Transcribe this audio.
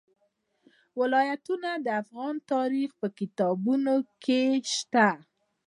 ولایتونه د افغان تاریخ په کتابونو کې شته.